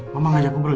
mama ngajak aku baru